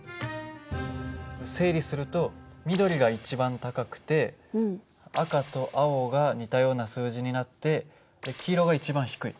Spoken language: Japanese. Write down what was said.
整理すると緑が一番高くて赤と青が似たような数字になって黄色が一番低い。